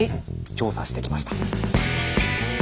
調査してきました。